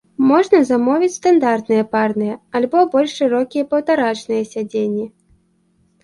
Можна замовіць стандартныя парныя, альбо больш шырокія паўтарачныя сядзенні.